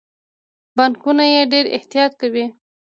بانکونه یې ډیر احتیاط کوي.